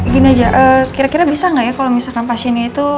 gini aja kira kira bisa nggak ya kalau misalkan pasiennya itu